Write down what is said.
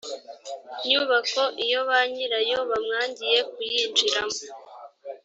nyubako iyo ba nyirayo bamwangiye kuyinjiramo